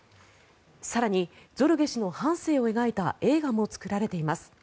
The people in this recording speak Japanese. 更に、ゾルゲ氏の半生を描いた映画も作られています。